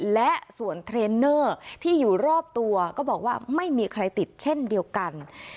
และส่วนเทรนเนอร์ที่อยู่รอบตัวก็บอกว่าไม่มีใครติดเช่นเดียวกัน